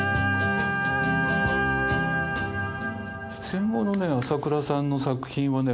戦後のね朝倉さんの作品はね